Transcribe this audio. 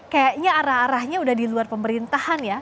kayaknya arah arahnya udah di luar pemerintahan ya